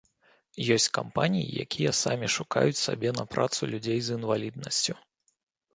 Ёсць кампаніі, якія самі шукаюць сабе на працу людзей з інваліднасцю.